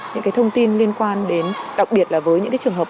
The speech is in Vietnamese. những cái thông tin liên quan đến đặc biệt là với những trường hợp